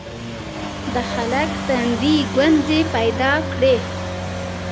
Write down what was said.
د هلک تندي ګونځې پيدا کړې: